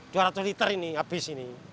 tinggal dua ratus liter ini habis